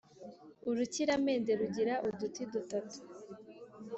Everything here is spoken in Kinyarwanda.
urukiramende rugira uduti dutatu